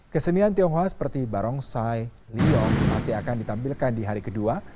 kesenian tionghoa seperti barongsai lion masih akan ditampilkan di hari kedua